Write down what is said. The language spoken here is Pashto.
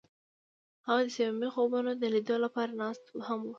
هغوی د صمیمي خوبونو د لیدلو لپاره ناست هم وو.